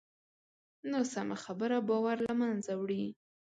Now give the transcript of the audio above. ناسمه خبره باور له منځه وړي